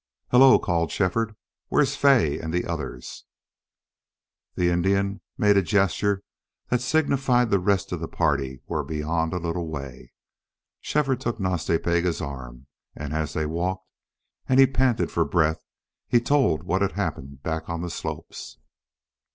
"Hello!" called Shefford. "Where're Fay and the others?" The Indian made a gesture that signified the rest of the party were beyond a little way. Shefford took Nas Ta Bega's arm, and as they walked, and he panted for breath, he told what had happened back on the slopes.